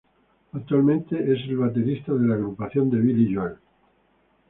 Actualmente es el baterista de la agrupación de Billy Joel.